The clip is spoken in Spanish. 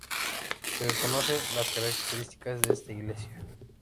Se desconoce las características de esta iglesia.